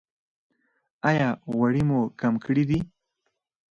ایا غوړي مو کم کړي دي؟